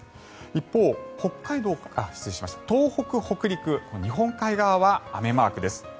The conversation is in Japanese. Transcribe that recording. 一方、東北、北陸、日本海側は雨マークです。